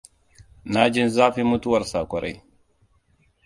Na ji zafin mutuwarsa kwarai.